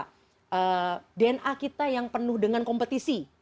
karena dna kita yang penuh dengan kompetisi